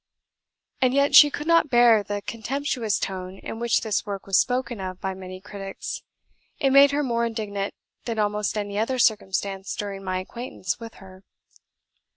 And yet she could not bear the contemptuous tone in which this work was spoken of by many critics; it made her more indignant than almost any other circumstance during my acquaintance with her.